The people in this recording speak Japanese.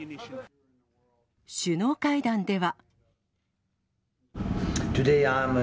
首脳会談では。